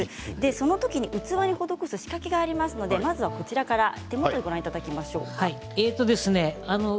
その時に器に施す仕掛けがありますので、こちらから手元でご覧いただきます。